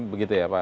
begitu ya pak